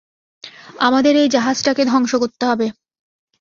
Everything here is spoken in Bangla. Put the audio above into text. আমাদের এই জাহাজটাকে ধ্বংস করতে হবে।